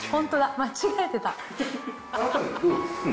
間違えてた。